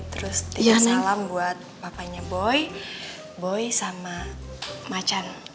terus tiga salam buat papanya boy boy sama macan